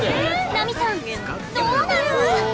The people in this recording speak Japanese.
ナミさんどうなる！？